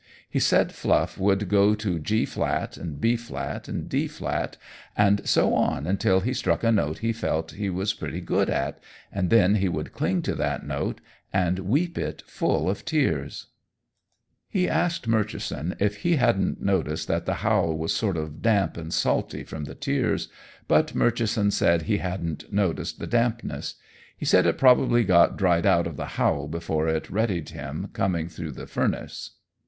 He said Fluff would go to G flat and B flat and D flat, and so on until he struck a note he felt he was pretty good at, and then he would cling to that note and weep it full of tears. [Illustration: 52] He asked Murchison if he hadn't noticed that the howl was sort of damp and salty from the tears, but Murchison said he hadn't noticed the dampness. He said it probably got dried out of the howl before it readied him, coming through the furnace.